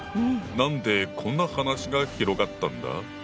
何でこんな話が広がったんだ？